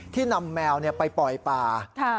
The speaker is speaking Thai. นำแมวไปปล่อยป่า